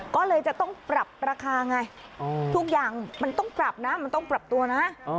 ก็เลยจะต้องปรับราคาไงทุกอย่างมันต้องปรับนะมันต้องปรับตัวนะ